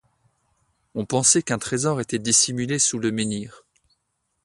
On pensait qu'un trésor était dissimulé sous le menhir.